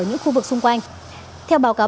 ở những khu vực xung quanh theo báo cáo